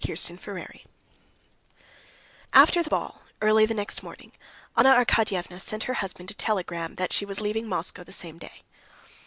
Chapter 28 After the ball, early next morning, Anna Arkadyevna sent her husband a telegram that she was leaving Moscow the same day.